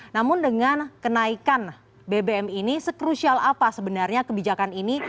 namun dengan kenaikan bbm ini sekrusial apa sebenarnya kebijakan ini